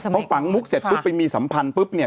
พอฝังมุกเสร็จปุ๊บไปมีสัมพันธ์ปุ๊บเนี่ย